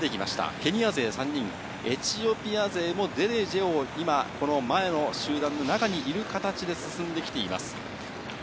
ケニア勢３人、エチオピア勢もデレジェを今、この前の集団の中にいる形で進んできています。